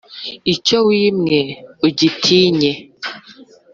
icyo wimwe ugitinye